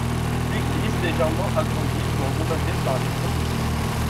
L'église, légèrement agrandie, fut endommagée par les protestants.